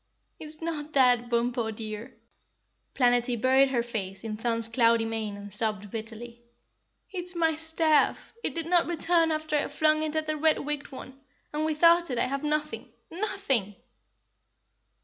"It's not that, Bumpo, dear." Planetty buried her face in Thun's cloudy mane and sobbed bitterly. "It's my staff! It did not return after I flung it at the red wigged one, and without it I have nothing, NOTHING!"